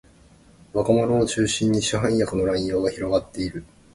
若者を中心に市販薬の乱用が広がっている